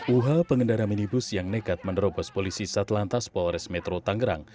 uha pengendara minibus yang nekat menerobos polisi satlantas polres metro tangerang